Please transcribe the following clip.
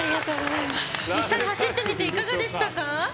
実際走ってみていかがでしたか？